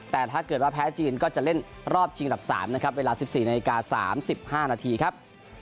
แต่ถ้าเกิดว่าแพ้จีนก็จะเล่นรอบชิงอันดับ๓นะครับเวลา๑๔นาฬิกา๓๕นาทีครับ